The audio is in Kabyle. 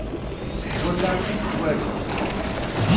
S wallaɣ-is i yettwarez.